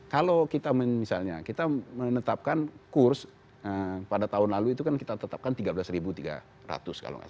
kalau kita misalnya kita menetapkan kurs pada tahun lalu itu kan kita tetapkan tiga belas tiga ratus kalau nggak salah